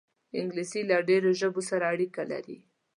انګلیسي له ډېرو ژبو سره اړیکه لري